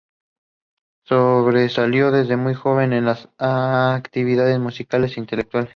Sobresalió desde muy joven en las actividades musicales e intelectuales.